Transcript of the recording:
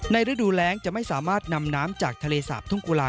ฤดูแรงจะไม่สามารถนำน้ำจากทะเลสาบทุ่งกุลา